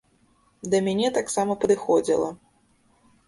Да мяне таксама падыходзіла.